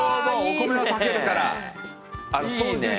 お米は炊けるから。